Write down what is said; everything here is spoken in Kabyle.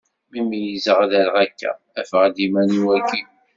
Mi meyyzeɣ ad rreɣ akka, afeɣ-d iman-iw akkin.